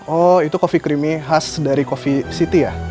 oh itu covi creamy khas dari covi city ya